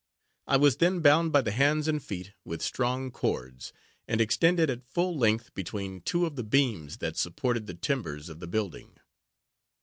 I was then bound by the hands and feet, with strong cords, and extended at full length between two of the beams that supported the timbers of the building.